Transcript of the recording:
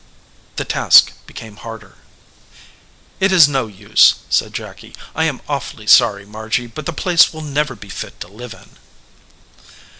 The task became harder. "It is no use," said Jacky. "I am awfully sorry, Margy, but the place will never be fit to live in."